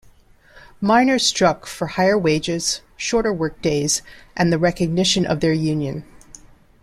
Miners struck for higher wages, shorter workdays and the recognition of their union.